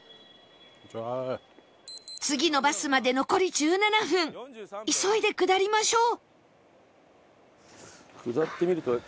次のバスまで残り１７分急いで下りましょう